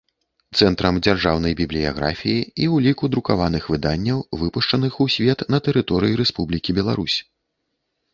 Цэнтрам дзяржаўнай бiблiяграфii i ўлiку друкаваных выданняў, выпушчаных у свет на тэрыторыi Рэспублiкi Беларусь.